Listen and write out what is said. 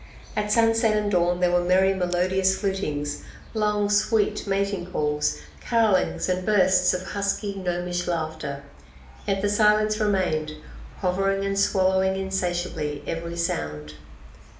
At sunset and dawn there were merry melodious flutings, long, sweet, mating calls, carollings and bursts of husky, gnomish laughter. Yet the silence remained, hovering and swallowing insatiably every sound.